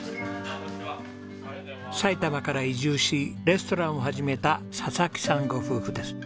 埼玉から移住しレストランを始めた佐々木さんご夫婦です。